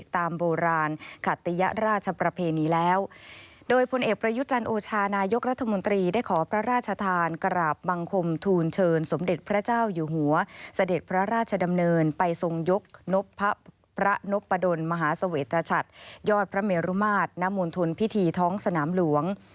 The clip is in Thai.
ทธานกราบบังคมทูลเชิญสมเด็จพระเจ้าอยู่หัวสเด็จพระราชดำเนินไปทรงยกพระนบประดนมหาเสวตชัดยอดพระเมรุมาตรนมวลทุนพิธีท้องสนามหลวง